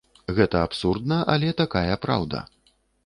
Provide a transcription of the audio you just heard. Гэта абсурдна, але такая праўда.